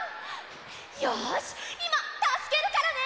よしいまたすけるからね！